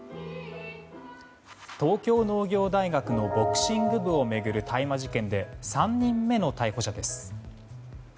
東京農業大学のボクシング部を巡る大麻事件で３人目の逮捕者です。